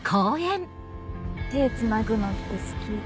手つなぐのって好き。